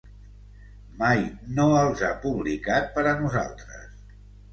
Mai no els ha publicat per a nosaltres.